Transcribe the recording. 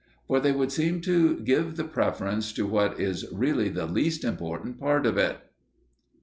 For they would seem to give the preference to what is really the least important part of it.